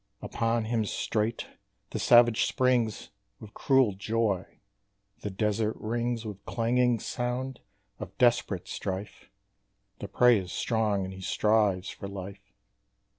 Upon him straight the savage springs With cruel joy. The desert rings With clanging sound of desperate strife The prey is strong and he strives for life.